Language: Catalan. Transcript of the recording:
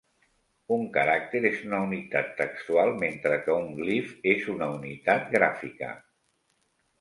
Un caràcter és una unitat textual mentre que un glif és una unitat gràfica.